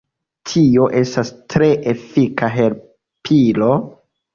Tio estas tre efika helpilo.